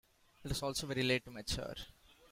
It is also very late to mature.